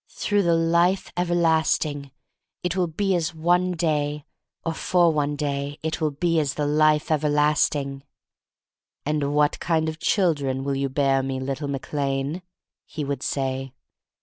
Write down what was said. "Through the life everlasting — it will be as one day; or for one day — it will be as the life everlasting." "And what kind of children will you bear me, little Mac Lane?" he would say.